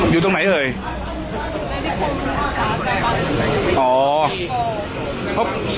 อยู่ตรงไหนที่โกงมา